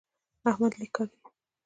احمد لیک کاږي.